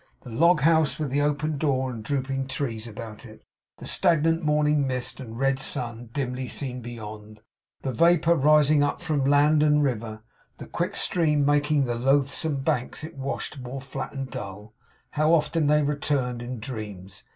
The log house, with the open door, and drooping trees about it; the stagnant morning mist, and red sun, dimly seen beyond; the vapour rising up from land and river; the quick stream making the loathsome banks it washed more flat and dull; how often they returned in dreams!